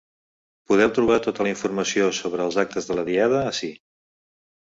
Podeu trobar tota la informació sobre els actes de la Diada ací.